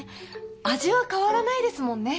味は変わらないですもんね。